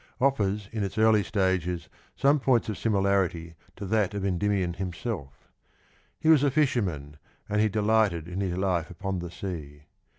offers in its early stages some points of similarity to that of Endymion himself. He was a fisherman, and he delighted in his life upon the sea.